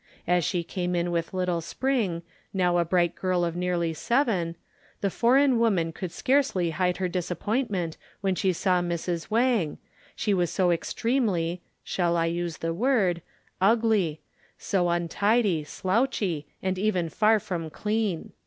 As she came in with little Spring, now a bright little girl of nearly seven, the foreign woman could scarcely hide her disappointment when she saw Mrs. Wang, she was so extremely (shall I use the word) ugly, so untidy, slouchy, and even far from clean.